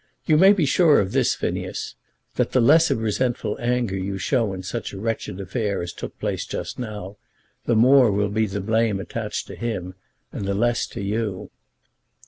You may be sure of this, Phineas, that the less of resentful anger you show in such a wretched affair as took place just now, the more will be the blame attached to him and the less to you."